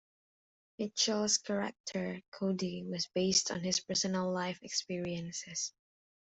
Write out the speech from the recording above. Mitchell's character Cody was based on his personal life experiences.